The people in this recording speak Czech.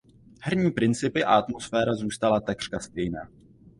Herní principy a atmosféra zůstala takřka stejná.